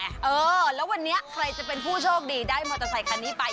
เออแล้ววันนี้ใครจะเป็นผู้โชคดีได้มอเตอร์ไซคันนี้ไป